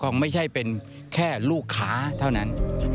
ไม่ใช่เป็นแค่ลูกค้าเท่านั้น